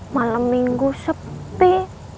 malam minggu sepi